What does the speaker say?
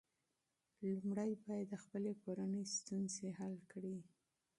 لومړی باید د خپلې کورنۍ ستونزې حل کړې.